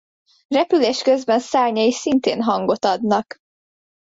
Repülés közben szárnyai szintén hangot adnak.